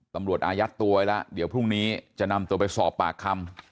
อายัดตัวไว้แล้วเดี๋ยวพรุ่งนี้จะนำตัวไปสอบปากคำ